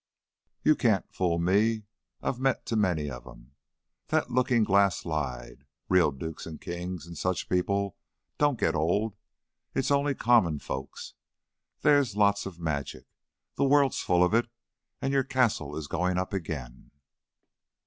You can't fool me; I've met too many of 'em. That lookin' glass lied! Real dukes an' kings an' such people don't get old. It's only common folks. There's lots of magic, the world's full of it, an' your castle is goin' up again."